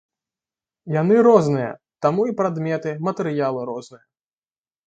Яны розныя, таму і прадметы, матэрыялы розныя.